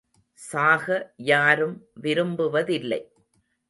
சாக யாரும் விரும்புவதில்லை.